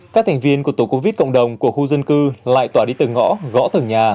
các thành viên của tổ covid cộng đồng của khu dân cư lại tỏa đi từng ngõ gõ từng nhà